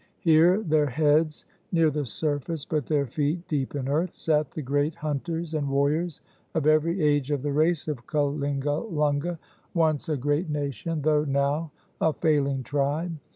Here, their heads near the surface, but their feet deep in earth, sat the great hunters and warriors of every age of the race of Kalingalunga, once a great nation, though now a failing tribe.